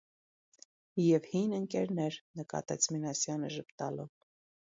- Եվ հին ընկերներ,- նկատեց Մինասյանը ժպտալով: